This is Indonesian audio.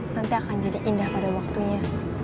nanti akan jadi indah pada waktunya